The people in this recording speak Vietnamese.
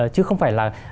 chứ không phải là